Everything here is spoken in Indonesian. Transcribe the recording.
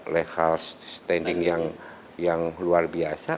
lehal standing yang luar biasa